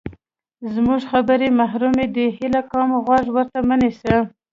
زمونږ خبرې محرمې دي، هیله کوم غوږ ورته مه نیسه!